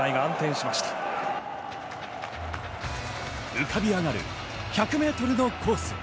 浮かび上がる１００ｍのコース。